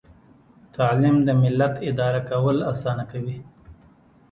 تعلیم د ملت اداره کول اسانه کوي.